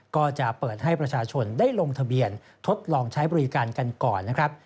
ก็จะเปิดให้ประชาชนได้ลงทะเบียนทดลองใช้บริการกันก่อนนะครับ